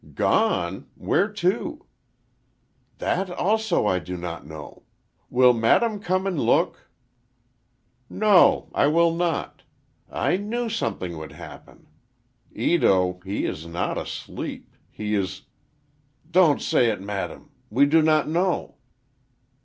"Gone! Where to?" "That also, I do not know. Will madam come and look?" "No; I will not! I know something has happened! I knew something would happen! Ito, he is not asleep—he is—" "Don't say it, madam. We do not know."